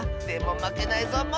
でもまけないぞ！